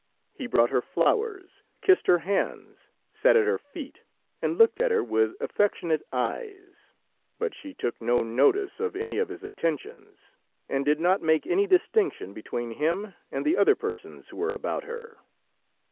He brought her flowers, kissed her hands, sat at her feet and looked at her with affectionate eyes; but she took no notice of any of his attentions, and did not make any distinction between him and the other persons who were about her.